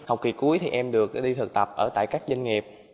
học kỳ cuối em được đi thực tập tại các doanh nghiệp